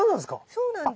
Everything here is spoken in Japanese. そうなんです。